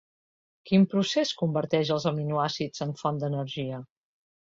Quin procés converteix els aminoàcids en font d'energia?